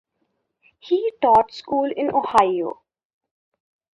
He taught school in Ohio.